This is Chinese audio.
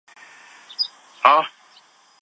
一德楼遗址的历史年代为明。